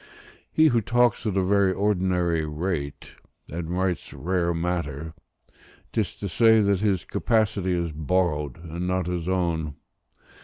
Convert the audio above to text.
He who talks at a very ordinary rate, and writes rare matter, 'tis to say that his capacity is borrowed and not his own.